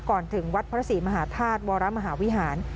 ถึงวัดพระศรีมหาธาตุวรมหาวิหาร